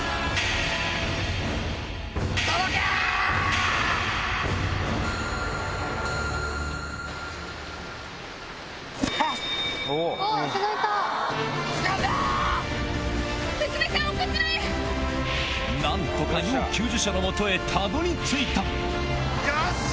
届け‼何とか要救助者の元へたどり着いたよっしゃ！